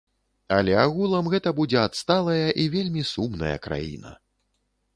Але агулам гэта будзе адсталая і вельмі сумная краіна.